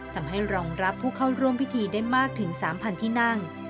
ทำให้รองรับผู้เข้าร่วมพิธีได้มากถึง๓๐๐ที่นั่ง